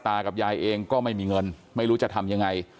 กับยายเองก็ไม่มีเงินไม่รู้จะทำยังไง